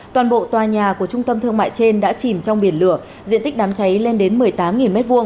toàn bộ tòa nhà của trung tâm thương mại trên đã chìm trong biển lửa diện tích đám cháy lên đến một mươi tám m hai